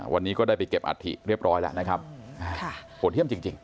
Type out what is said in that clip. วันนี้ก็ได้ไปเก็บอัฐิเรียบร้อยแล้วนะครับโหดเยี่ยมจริง